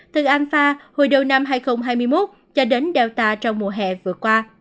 từ alpha hồi đầu năm hai nghìn hai mươi một cho đến delta trong mùa hè vừa qua